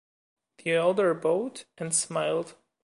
The other bowed and smiled.